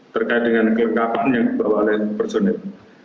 terkait dengan kelengkapan yang dibawa oleh personil